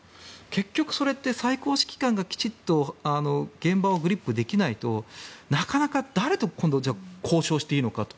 結局、それって最高指揮官がきちっと現場をグリップできないとなかなか誰と今度交渉していいのかと。